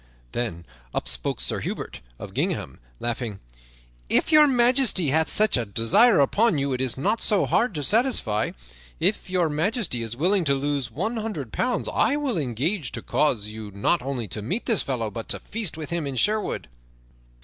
Then up spake Sir Hubert of gingham, laughing: "If Your Majesty hath such a desire upon you it is not so hard to satisfy. If Your Majesty is willing to lose one hundred pounds, I will engage to cause you not only to meet this fellow, but to feast with him in Sherwood."